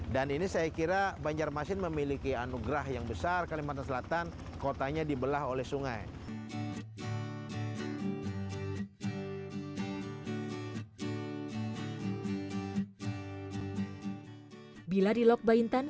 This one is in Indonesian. dan ini saya kira banjarmasin memiliki anugerah yang besar kalimantan selatan kotanya dibuat